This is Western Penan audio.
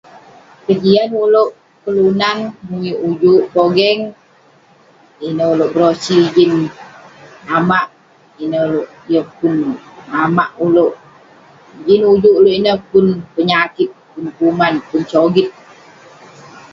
kejian ulouk kelunan muwik ujuk pogeng, ineh ulouk berosi jin amak, jin ineh ulouk yeng pun amak ulouk, jin ujuk ulouk ineh pun penyakit, pun kuman pun sogit,